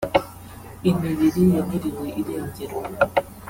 imibiri yaburiwe irengero